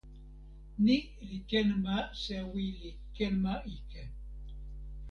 ni li ken ma sewi li ken ma ike.